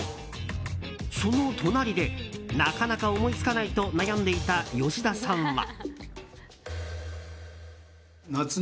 その隣でなかなか思いつかないと悩んでいた吉田さんは。